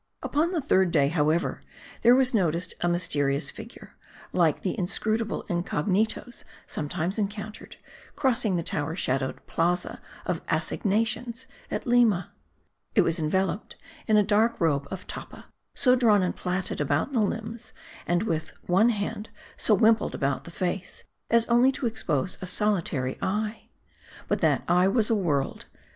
Upon the third day, however, there was noticed a myste rious figure, like the inscrutable incognitos sometimes en countered, crossing the tower shadowed Plaza of Assignations at Lima. It was enveloped in a dark robe of tappa, so drawn and plaited about the limbs ; and with one hand, so wimpled about the face, as only to expose a solitary eye. But that eye was a world.